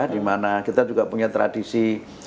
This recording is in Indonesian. dimana kita juga punya tradisi